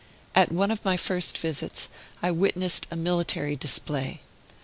At one of my first visits, I witnessed a military display.